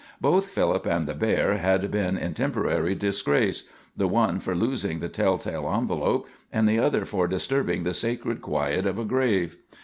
Both Philip and the bear had been in temporary disgrace, the one for losing the tell tale envelop, and the other for disturbing the sacred quiet of a grave.